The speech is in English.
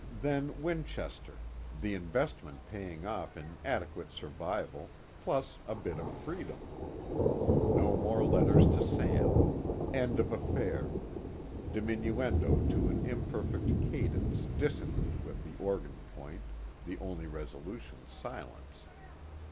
Then Winchester, the investment paying off in adequate survival, plus a bit of freedom. No more letters to Sam: end of affair, diminuendo to an imperfect cadence dissonant with the organ point, the only resolution silence.